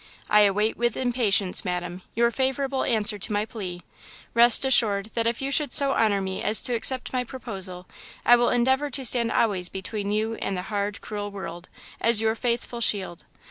"I await with impatience, Madam, your favourable answer to my plea. Rest assured that if you should so honour me as to accept my proposal, I will endeavour to stand always between you and the hard, cruel world, as your faithful shield.